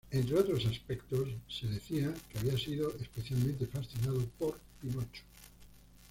Entre otros aspectos, se decía que había sido especialmente fascinado por Pinocho.